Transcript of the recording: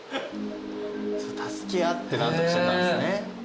助け合って何とかしてたんですね。